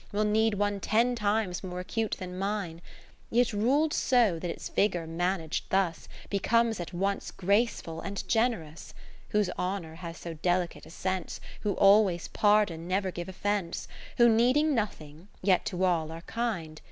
Will need one ten times more acute than mine ', Yet rul'd so that its vigour manag'd thus Becomes at once graceful and generous ; ijo Whose honour has so delicate a sense, Who always pardon, never give offence ; Who needing nothing, yet to all are kind.